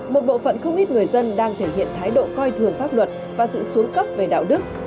một bộ phận không ít người dân đang thể hiện thái độ coi thường pháp luật và sự xuống cấp về đạo đức